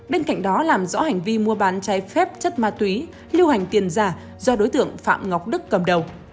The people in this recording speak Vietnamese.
bên cạnh đó làm rõ hành vi mua bán trái phép chất ma túy lưu hành tiền giả do đối tượng phạm ngọc đức cầm đầu